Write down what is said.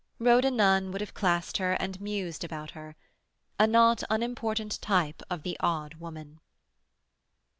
Rhoda Nunn would have classed her and mused about her: a not unimportant type of the odd woman.